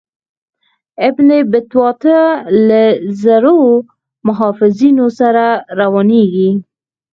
ابن بطوطه له زرو محافظینو سره روانیږي.